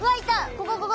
ここここ。